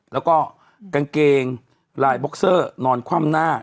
แล้วก็กางเกงลายบ็อกเซอร์นอนคว่ำหน้า